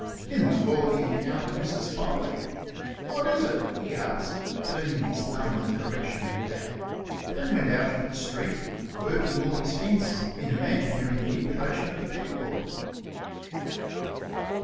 In the hall he encountered Mrs. Foley. "What is it?" he asked, turning his thumb in the direction of Dad; then went out into the street, working all his fingers in imaginary manipulation of the keyboard.